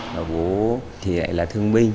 và bố thì lại là thương minh